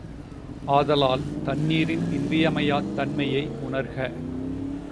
ஆதலால், தண்ணீரின் இன்றியமையாத் தன்மையை உணர்க!